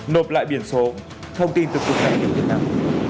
nộp lại biển số thông tin từ quốc gia việt nam